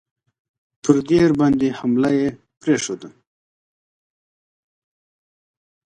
پر دیر باندي حمله یې پرېښوده.